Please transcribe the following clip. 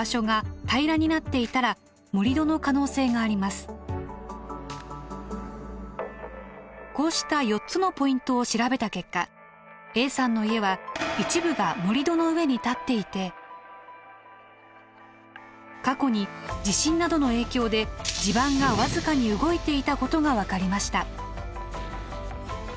その時は昔こうした４つのポイントを調べた結果Ａさんの家は一部が盛り土の上に建っていて過去に地震などの影響で地盤がわずかに動いていたことが分かりました。